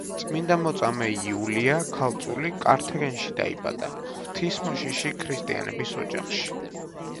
წმინდა მოწამე იულია ქალწული კართაგენში დაიბადა, ღვთისმოშიში ქრისტიანების ოჯახში.